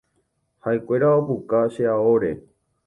Ha’ekuéra opuka che aóre.